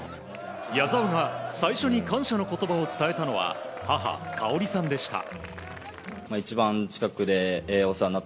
矢澤が最初に感謝の言葉を伝えたのは母・香さんでした。